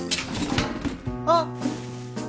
あっ。